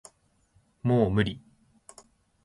もう無理